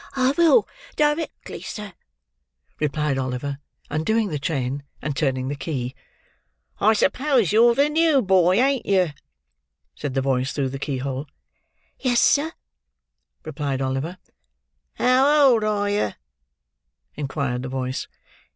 "I will, directly, sir," replied Oliver: undoing the chain, and turning the key. "I suppose yer the new boy, ain't yer?" said the voice through the key hole. "Yes, sir," replied Oliver. "How old are yer?" inquired the voice.